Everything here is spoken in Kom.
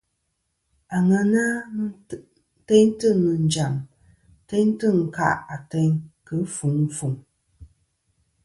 Aŋena teyntɨ nɨ̀ njàm teyntɨ ɨnkâˈ ateyn kɨ ɨfuŋ ɨfuŋ.